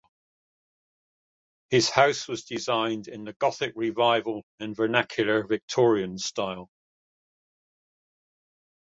His house was designed in the Gothic Revival and Vernacular Victorian styles.